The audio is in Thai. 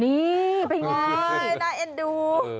นี่เป็นไงน่าเอ็นดู